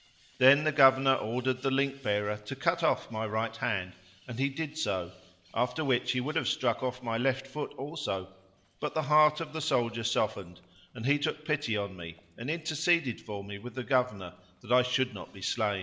Then the Governor ordered the link bearer to cut off my right hand, and he did so; after which he would have struck off my left foot also; but the heart of the soldier softened and he took pity on me and interceded for me with the Governor that I should not be slain.